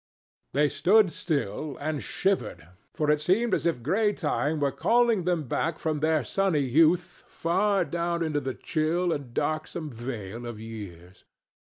They stood still and shivered, for it seemed as if gray Time were calling them back from their sunny youth far down into the chill and darksome vale of years.